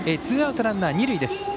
ツーアウト、ランナー、二塁です。